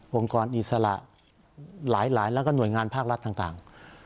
กรอิสระหลายแล้วก็หน่วยงานภาครัฐต่าง